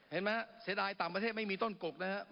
เห็นไหมเสียดายต่างประเทศไม่มีต้นกกนะครับ